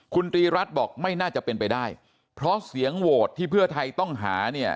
คุณตรีรัฐบอกไม่น่าจะเป็นไปได้เพราะเสียงโหวตที่เพื่อไทยต้องหาเนี่ย